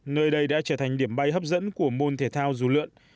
nơi đây đã trở thành điểm bay hấp dẫn của môn thể thao dù lượn